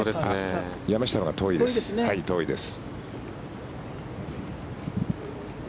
山下のほうが遠いです。